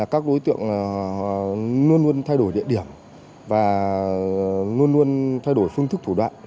các đối tượng luôn luôn thay đổi địa điểm và luôn luôn thay đổi phương thức thủ đoạn